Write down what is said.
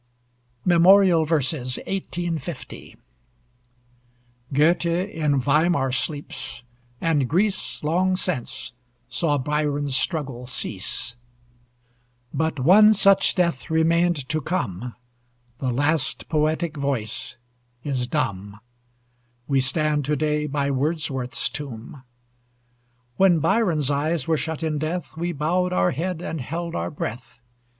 MEMORIAL VERSES (1850) Goethe in Weimar sleeps, and Greece, Long since, saw Byron's struggle cease, But one such death remained to come; The last poetic voice is dumb We stand to day by Wordsworth's tomb. When Byron's eyes were shut in death, We bowed our head and held our breath.